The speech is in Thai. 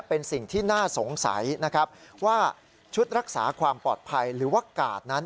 เป็นสิ่งที่น่าสงสัยนะครับว่าชุดรักษาความปลอดภัยหรือว่ากาดนั้น